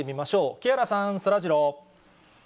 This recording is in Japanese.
木原さん、そらジロー。